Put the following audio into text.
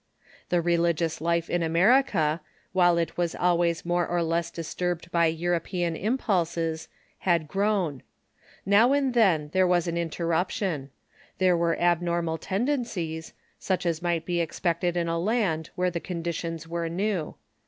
The religious life in America, while it was always more or less disturbed by European imjiulses, had grown. Now and then there was an interruption. There were abnor mal tendencies, such as might be expected in a land where the conditions were new.